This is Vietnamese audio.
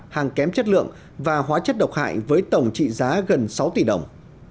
hàng kém chất lượng và hóa chất độc hại với tổng trị giá gần sáu tỷ đồng